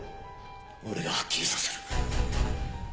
俺がはっきりさせる。